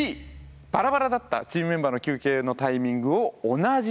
「バラバラだったチームメンバーの休憩のタイミングを同じにした」でした。